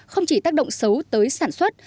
không chỉ tác động xấu tới sản xuất